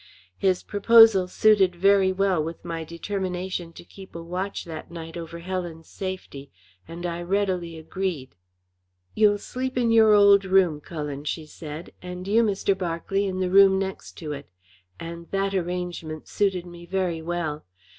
His proposal suited very well with my determination to keep a watch that night over Helen's safety, and I readily agreed. "You will sleep in your old room, Cullen," she said, "and you, Mr. Berkeley, in the room next to it;" and that arrangement suited me very well.